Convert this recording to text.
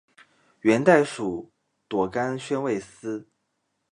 元代属朵甘宣慰司。